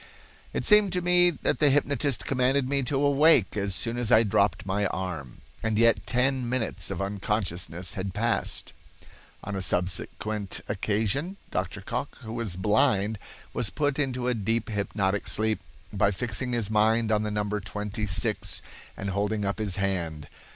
"It seemed to me that the hypnotist commanded me to awake as soon as I dropped my arm," and yet ten minutes of unconsciousness had passed. On a subsequent occasion Dr. Cocke, who was blind, was put into a deep hypnotic sleep by fixing his mind on the number 26 and holding up his hand.